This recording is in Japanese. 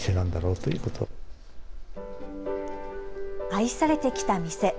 愛されてきた店。